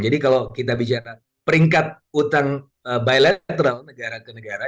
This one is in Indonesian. jadi kalau kita bicara peringkat utang bilateral negara ke negara